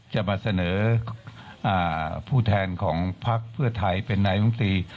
จะมาเสนอผู้แทนของภักดิ์เพื่อไทยเป็นไหนมะติ